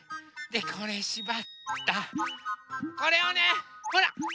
でこれしばったこれをねほら！